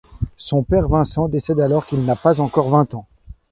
Son père Vincent décède alors qu'il n'a pas encore vingt ans.